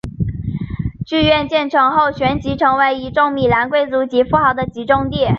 剧院建成后旋即成为一众米兰贵族及富豪的集中地。